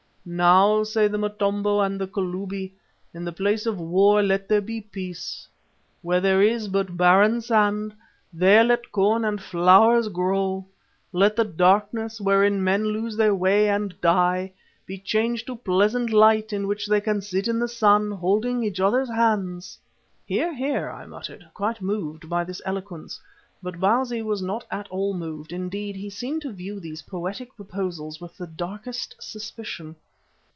Now, say the Motombo and the Kalubi, in the place of war let there be peace; where there is but barren sand, there let corn and flowers grow; let the darkness, wherein men lose their way and die, be changed to pleasant light in which they can sit in the sun holding each other's hands." "Hear, hear!" I muttered, quite moved by this eloquence. But Bausi was not at all moved; indeed, he seemed to view these poetic proposals with the darkest suspicion.